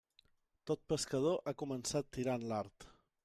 Tot pescador ha començat tirant l'art.